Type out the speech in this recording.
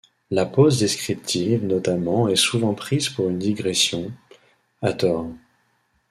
La pause descriptive notamment est souvent prise pour une digression, à tort.